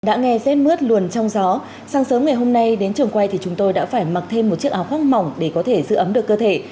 đã nghe rét mướt luồn trong gió sáng sớm ngày hôm nay đến trường quay thì chúng tôi đã phải mặc thêm một chiếc áo khoác mỏng để có thể giữ ấm được cơ thể